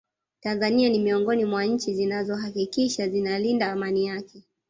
Tanzania ni miongoni mwa Nchi zinazo hakikisha zinalinda Amani yake